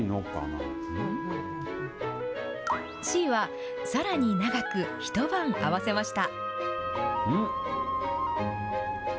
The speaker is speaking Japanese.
Ｃはさらに長く、一晩合わせました。